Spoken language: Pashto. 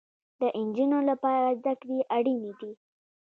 د انجونو لپاره زده کړې اړينې دي